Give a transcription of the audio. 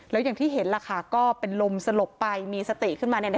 แล้วอย่างที่เห็นล่ะค่ะก็เป็นลมสลบไปมีสติขึ้นมา